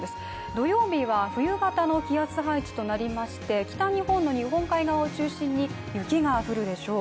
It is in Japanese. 土曜日は冬型の気圧配置となりまして北日本の日本海側を中心に雪が降るでしょう。